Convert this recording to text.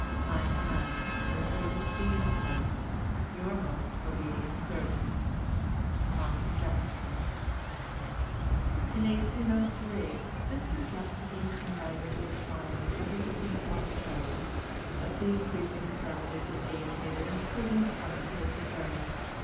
I am, with great esteem, sir, your most obedient servant, "THOMAS JEFFERSON." In 1803, Mr. Jefferson invited the astronomer to visit him at Monticello, but the increasing infirmities of age made it imprudent to undertake the journey.